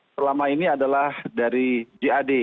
selama ini adalah dari jad